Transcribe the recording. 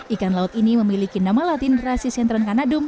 ikan laut ini memiliki nama latin rasisentrencanadum